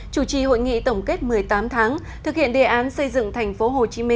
chủ trì hội nghị tổng kết một mươi tám tháng thực hiện đề án xây dựng tp hcm